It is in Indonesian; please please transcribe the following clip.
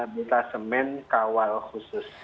detasemen kawal khusus